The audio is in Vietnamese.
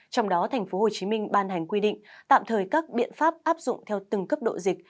trong đó tp hcm ban hành quy định tạm thời các biện pháp áp dụng theo từng cấp độ dịch